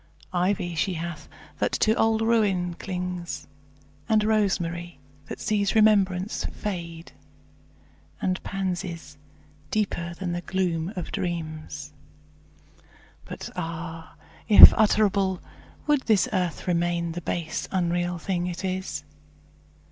Ivy she hath, that to old ruin clings; And rosemary, that sees remembrance fade; And pansies, deeper than the gloom of dreams; But ah! if utterable, would this earth Remain the base, unreal thing it is?